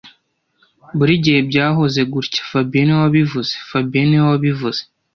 Buri gihe byahoze gutya fabien niwe wabivuze fabien niwe wabivuze